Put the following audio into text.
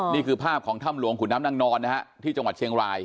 นี่คือภาพของถ้ำหลวงขุนน้ำนางนอนนะฮะที่จังหวัดเชียงราย